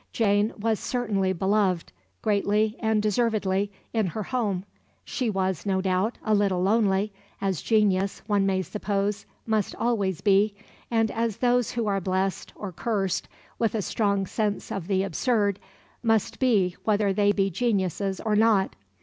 Jane was certainly beloved, greatly and deservedly, in her home. She was, no doubt, a little lonely, as genius, one may suppose, must always be, and as those who are blest, or curst, with a strong sense of the absurd must be whether they be geniuses or not.